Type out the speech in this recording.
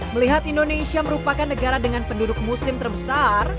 melihat indonesia merupakan negara dengan penduduk muslim terbesar